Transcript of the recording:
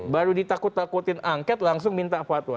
baru ditakut takutin angket langsung minta fatwa